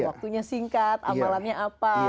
waktunya singkat amalannya apa